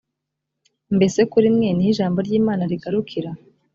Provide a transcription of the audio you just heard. mbese kuri mwe ni ho ijambo ry imana rigarukira ?